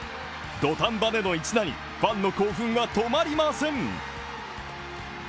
土壇場での一打にファンの興奮が止まりません。